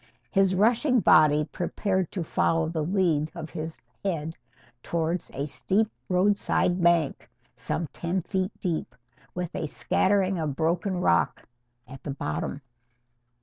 His rushing body prepared to follow the lead of his head towards a steep roadside bank some ten feet deep, with a scattering of broken rock at the bottom.